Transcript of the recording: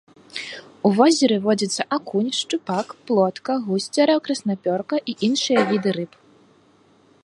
У возеры водзяцца акунь, шчупак, плотка, гусцяра, краснапёрка і іншыя віды рыб.